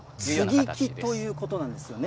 接ぎ木ということなんですよね。